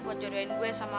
kok serius bisa ya